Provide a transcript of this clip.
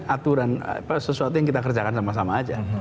aturan sesuatu yang kita kerjakan sama sama aja